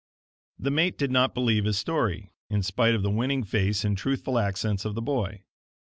The mate did not believe his story, in spite of the winning face and truthful accents of the boy.